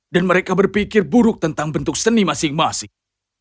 dan mereka berpikir buruk tentang bentuk seni masing masing